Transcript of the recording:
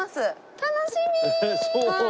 楽しみ。